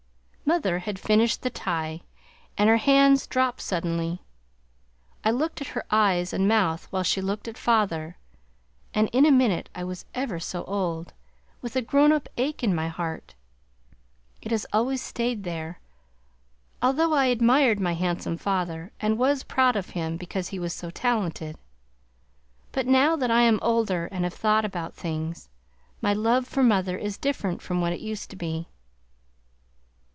Mother had finished the tie, and her hands dropped suddenly. I looked at her eyes and mouth while she looked at father and in a minute I was ever so old, with a grown up ache in my heart. It has always stayed there, although I admired my handsome father and was proud of him because he was so talented; but now that I am older and have thought about things, my love for mother is different from what it used to be.